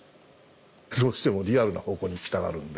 どうしてもリアルな方向に行きたがるので。